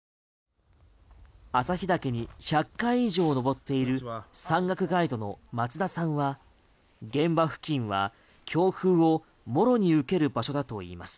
朝日岳に１００回以上登っている山岳ガイドの松田さんは現場付近は強風をもろに受ける場所だといいます。